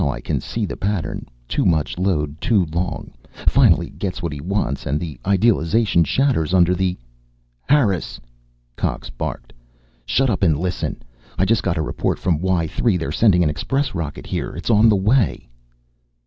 I can see the pattern, too much load too long. Finally gets what he wants and the idealization shatters under the " "Harris!" Cox barked. "Shut up and listen. I just got a report from Y 3. They're sending an express rocket here. It's on the way."